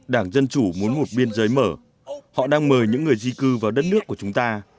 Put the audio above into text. đảng dân chủ muốn một biên giới mở họ đang mời những người di cư vào đất nước của chúng ta